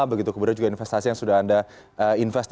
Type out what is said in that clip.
begitu kemudian juga investasi yang sudah anda investasi